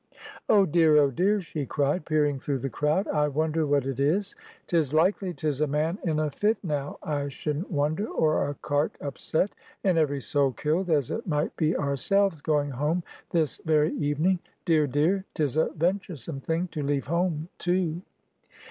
"Oh, dear! oh, dear!" she cried, peering through the crowd: "I wonder what it is. 'Tis likely 'tis a man in a fit now, I shouldn't wonder, or a cart upset, and every soul killed, as it might be ourselves going home this very evening. Dear, dear! 'tis a venturesome thing to leave home, too!"